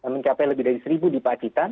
mencapai lebih dari seribu di pacitan